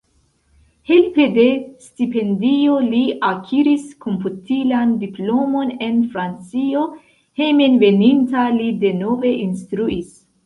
Helpe de stipendio li akiris komputilan diplomon en Francio, hejmenveninta li denove instruis.